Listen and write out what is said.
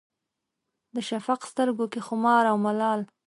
د شفق سترګو کې خمار او ملال